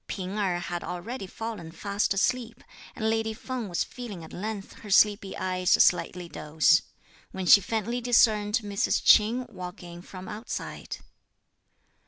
P'ing Erh had already fallen fast asleep; and lady Feng was feeling at length her sleepy eyes slightly dose, when she faintly discerned Mrs. Ch'in walk in from outside.